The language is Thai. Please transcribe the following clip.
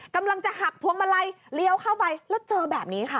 กำลังจะหักพวงมาลัยเลี้ยวเข้าไปแล้วเจอแบบนี้ค่ะ